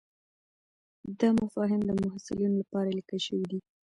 دا مفاهیم د محصلینو لپاره لیکل شوي دي.